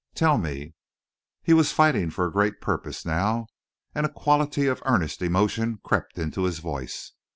"Tell me." He was fighting for a great purpose now, and a quality of earnest emotion crept into his voice.